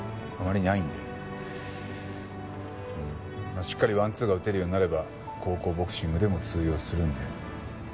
まあしっかりワンツーが打てるようになれば高校ボクシングでも通用するんで。